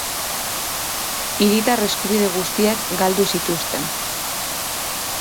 Hiritar eskubide guztiak galdu zituzten.